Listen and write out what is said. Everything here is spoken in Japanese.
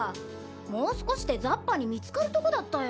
もうすこしでザッパにみつかるとこだったよ。